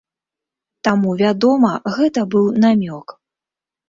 Таму, вядома, гэта быў намёк.